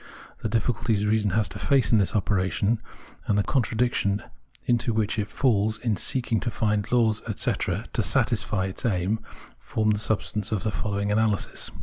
The difficulties reason has to face in this operation, and the contradictions into which it falls in seeking to find laws, etc., to satisfy its aim, form the substance of the following analysis.